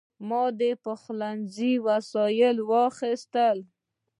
ما د پخلنځي وسایل واخیستل.